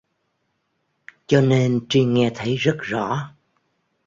Cho nên trinh nghe thấy rất rõ